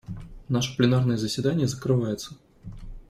Наше пленарное заседание закрывается.